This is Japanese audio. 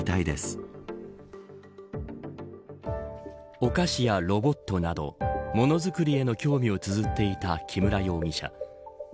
お菓子やロボットなどものづくりへの興味をつづっていた木村容疑者。